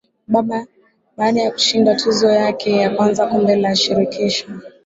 Baada ya kushinda tuzo yake ya kwanza Kombe la shirikisho